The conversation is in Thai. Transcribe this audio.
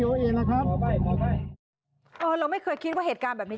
เราไม่เคยคิดว่าเหตุการณ์แบบนี้